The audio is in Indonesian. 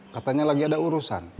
katanya lagi ada urusan